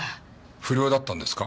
不良だったんですか？